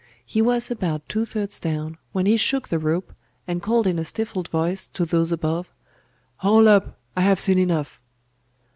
He was about two thirds down, when he shook the rope, and called in a stifled voice, to those above 'Haul up. I have seen enough.